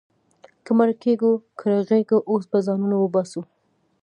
که مړه کېږو، که رغېږو، اوس به ځانونه وباسو.